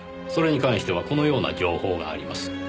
それに関してはこのような情報があります。